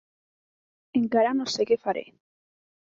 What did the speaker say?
Encara no sé què faré.